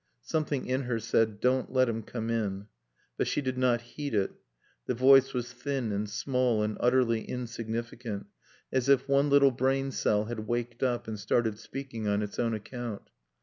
Something in her said, "Don't let him come in." But she did not heed it. The voice was thin and small and utterly insignificant, as if one little brain cell had waked up and started speaking on its own account.